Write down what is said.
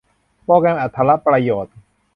โปรแกรมอรรถประโยชน์